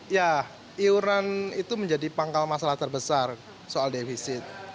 ya iuran itu menjadi pangkal masalah terbesar soal defisit